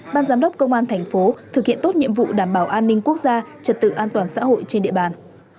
ban giám đốc công an thành phố thực hiện tốt nhiệm vụ đảm bảo an ninh quốc gia trật tự an toàn xã hội trên địa bàn